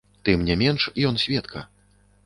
І тым не менш, ён сведка.